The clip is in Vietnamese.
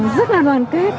rất là đoàn kết